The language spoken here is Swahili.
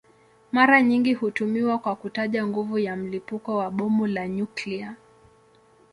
Mara nyingi hutumiwa kwa kutaja nguvu ya mlipuko wa bomu la nyuklia.